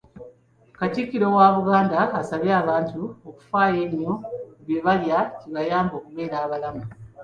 Katikkiro wa Buganda, asabye abantu okufaayo ennyo ku bye balya kibayambe okubeera abalamu.